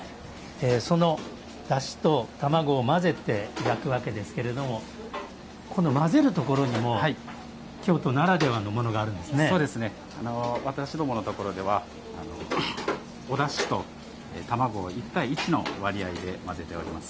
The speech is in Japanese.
そのだしと卵を混ぜて焼くわけですけれどもこの混ぜるところにも京都ならではのものが私どものところではおだしと卵を１対１の割合で混ぜております。